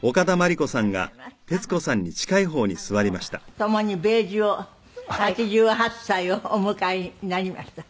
ともに米寿を８８歳をお迎えになりました。